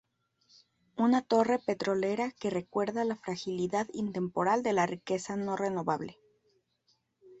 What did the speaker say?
Una torre petrolera que recuerda la fragilidad intemporal de la riqueza no renovable.